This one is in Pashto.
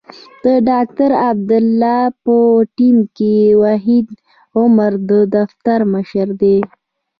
د ډاکټر عبدالله په ټیم کې وحید عمر د دفتر مشر دی.